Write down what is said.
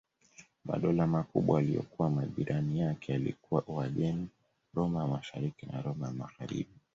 Madola makubwa yaliyokuwa majirani yake yalikuwa Uajemi, Roma ya Mashariki na Roma ya Magharibi.